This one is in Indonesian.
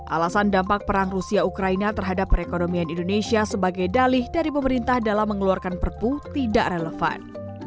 alasan dampak perang rusia ukraina terhadap perekonomian indonesia sebagai dalih dari pemerintah dalam mengeluarkan perpu tidak relevan